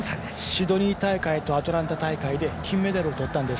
シドニー大会とアトランタ大会で金メダルをとったんです。